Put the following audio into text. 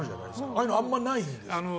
ああいうのあんまりないんですか。